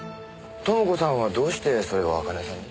朋子さんはどうしてそれを茜さんに？